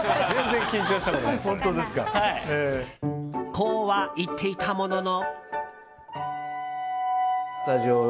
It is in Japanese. こうは言っていたものの。